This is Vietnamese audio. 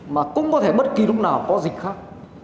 mà cũng có thể bất kỳ lúc nào có dịch khác